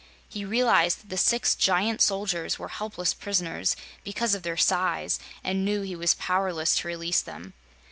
He realized that the six giant soldiers were helpless prisoners, because of their size, and knew he was powerless to release them.